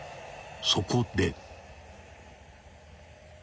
そこで］